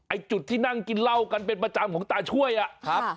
จุดที่นั่งกินเหล้ากันเป็นประจำของตาช่วยอ่ะครับ